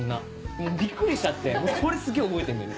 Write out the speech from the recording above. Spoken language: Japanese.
もうびっくりしちゃってそれすげぇ覚えてんだよね。